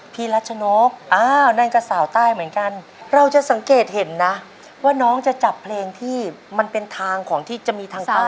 รัชนกอ้าวนั่นก็สาวใต้เหมือนกันเราจะสังเกตเห็นนะว่าน้องจะจับเพลงที่มันเป็นทางของที่จะมีทางใต้